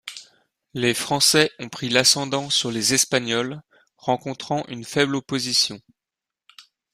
Les Français ont pris l'ascendant sur les Espagnols, rencontrant une faible opposition.